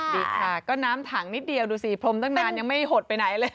ดีค่ะก็น้ำถังนิดเดียวดูสิพรมตั้งนานยังไม่หดไปไหนเลย